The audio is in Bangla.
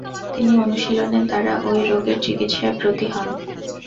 তিনি অনুশীলনের দ্বারা ওই রোগের চিকিৎসায় ব্রতী হন।